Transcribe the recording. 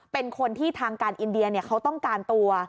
เป็นคนที่ทางการอินเดียเขาต้องการตัว